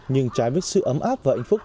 nhưng trái với sự ấm áp và hạnh phúc